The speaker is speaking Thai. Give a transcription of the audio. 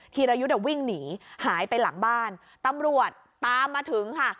ธีรยุทธ์วิ่งหนีหายไปหลังบ้านตำรวจตามมาถึงค่ะ